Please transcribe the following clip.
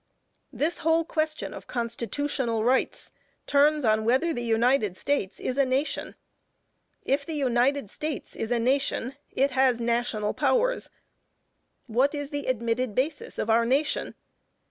This whole question of constitutional rights, turns on whether the United States is a nation. If the United States is a nation, it has national powers. What is the admitted basis of our nation?